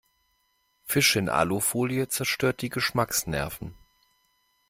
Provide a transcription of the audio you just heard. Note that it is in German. Fisch in Alufolie zerstört die Geschmacksnerven.